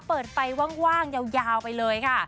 เปิดไฟว่างยาวไปเลยค่ะ